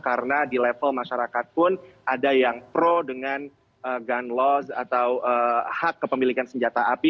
karena di level masyarakat pun ada yang pro dengan gun laws atau hak kepemilikan senjata api